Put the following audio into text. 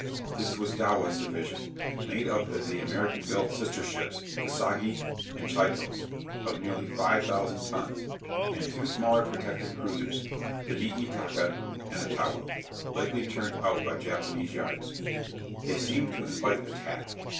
This was Dewa's division, made up of the American built sister ships "Kasagi" and "Chitose," of nearly 5000 tons, and two smaller protected cruisers, the "Niitaka" and "Otowa," lately turned out by Japanese yards. They seemed to invite attack.